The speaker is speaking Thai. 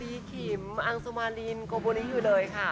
มีขิมอังสุมารินโกโบริอยู่เลยค่ะ